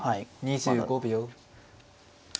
２５秒。